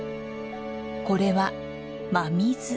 これは真水。